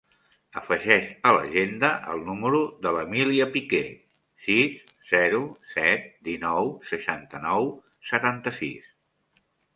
Afegeix a l'agenda el número de l'Emília Pique: sis, zero, set, dinou, seixanta-nou, setanta-sis.